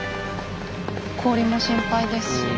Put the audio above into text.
氷も心配ですし。